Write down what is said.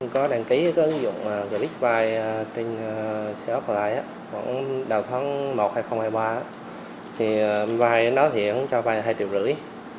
có đăng ký cái ứng dụng gửi bích vay trên xe óc vay khoảng đầu tháng một hay hai mươi ba thì vay đó thì ổng cho vay là hai triệu rưỡi